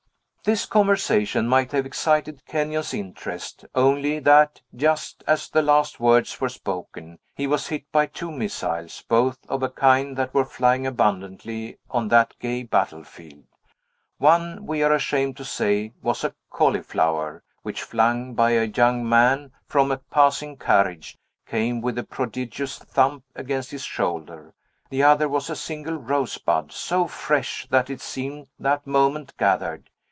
This conversation might have excited Kenyon's interest; only that, just as the last words were spoken, he was hit by two missiles, both of a kind that were flying abundantly on that gay battlefield. One, we are ashamed to say, was a cauliflower, which, flung by a young man from a passing carriage, came with a prodigious thump against his shoulder; the other was a single rosebud, so fresh that it seemed that moment gathered.